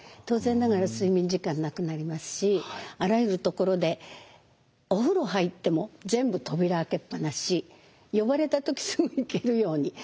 当然ながら睡眠時間なくなりますしあらゆるところでお風呂入っても全部扉開けっ放し呼ばれた時すぐ行けるように。